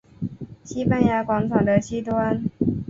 西班牙广场的西端。